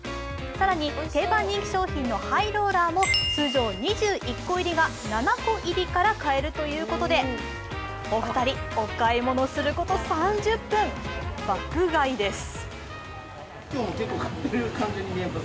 更に定番人気商品のハイローラーも通常２１個入りが７個入りから買えるということでお二人、お買い物すること３０分、爆買いです。